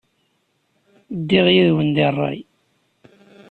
Ddiɣ yid-wen deg ṛṛay.